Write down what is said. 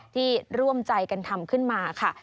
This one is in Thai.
ที่ร่วมใจกันทำขึ้นมาค่ะ